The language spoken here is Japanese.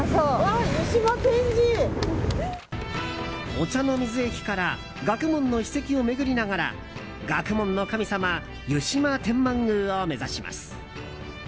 御茶ノ水駅から学問の史跡を巡りながら学問の神様湯島天満宮を目指します。